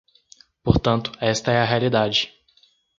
Portanto, esta é a realidade.